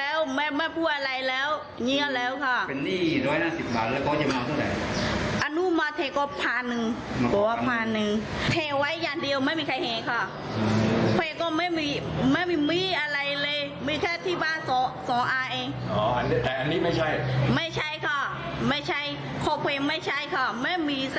เอาไว้อย่างเดียวไม่มีเป้าหมายค่ะ